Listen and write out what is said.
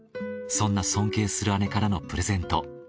そんな尊敬する姉からのプレゼント